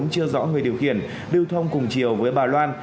chưa rõ người điều khiển lưu thông cùng chiều với bà loan